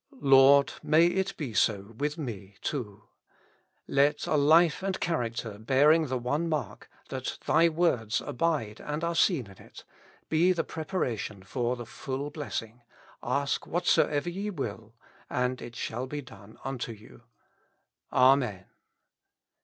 Lord, may it be so with me too. Let a life and character bearing the one mark, that Thy words abide and are seen in it, be the preparation for the full blessing :" Ask whatsoever ye will, and it shall be done unto you." Amen.